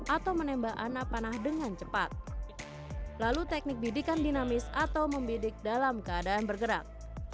atau menembak anak panah dengan cepat lalu teknik bidikan dinamis atau membidik dalam keadaan bergerak